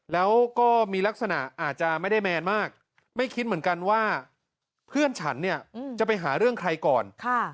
แล้วก็มีลักษณะอาจจะไม่ได้แมนมากไม่คิดเหมือนกันว่าเพื่อนฉันเนี่ยจะไปหาเรื่องใครก่อน